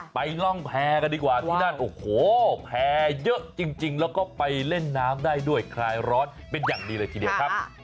ร่องแพร่กันดีกว่าที่นั่นโอ้โหแพร่เยอะจริงแล้วก็ไปเล่นน้ำได้ด้วยคลายร้อนเป็นอย่างดีเลยทีเดียวครับ